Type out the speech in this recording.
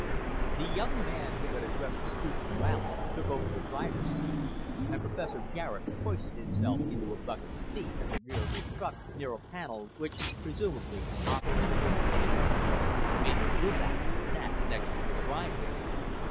The young man who had addressed the student rally took over the driver's seat and Professor Garet hoisted himself into a bucket seat at the rear of the truck near a panel which presumably operated the machine. Maynard Rubach sat next to the driver.